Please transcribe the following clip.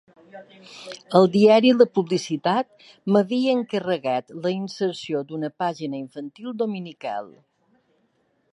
El diari La Publicitat m'havia encarregat la inserció d'una pàgina infantil dominical.